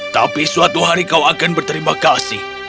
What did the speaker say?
tapi suatu hari kau akan berterima kasih